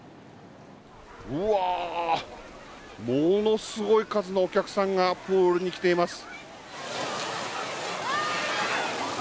うわー、ものすごい数のお客さんがプールに来ています。